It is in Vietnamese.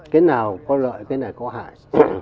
cái nào có lợi cái nào có hại